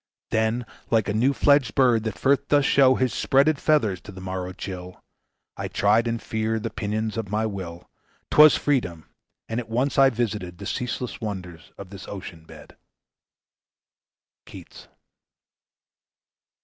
Then like a new fledged bird that first doth show His spreaded feathers to the morrow chill, I tried in fear the pinions of my will. 'Twas freedom! and at once I visited The ceaseless wonders of this ocean bed," etc.